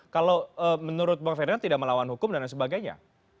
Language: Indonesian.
kalau menurut bang ferdinand tidak melawan hukum dan lain sebagainya